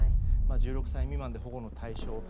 １６歳未満で保護の対象。